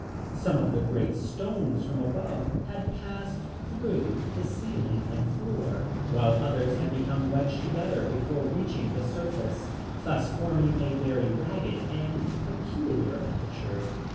Some of the great stones from above had passed through the ceiling and floor, while others had become wedged together before reaching the surface, thus forming a very ragged and peculiar aperture.